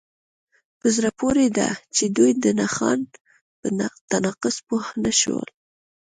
په زړه پورې ده چې دوی د نښان په تناقض پوه نشول